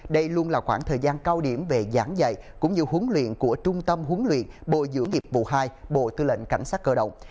đây luôn là khoảng thời gian cao điểm về giảng dạy cũng như huấn luyện của trung tâm huấn luyện bộ dưỡng nghiệp vụ hai bộ tư lệnh cảnh sát cơ động